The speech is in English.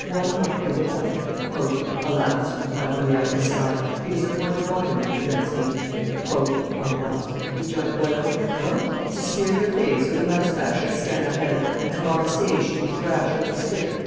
Why not give it up?" "Alas!" replied Moliere, with a sigh, "it is a point of honor that prevents me." "A what?" rejoined Boileau; "what! to smear your face with a mustache as Sganarelle, and come on the stage to be thrashed with a stick?